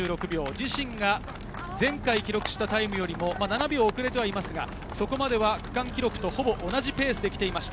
自身が前回記録したタイムよりも７秒遅れていますが、そこまでは区間記録とほぼ同じペースで来ていました。